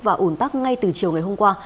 và ủn tắc ngay từ chiều ngày hôm qua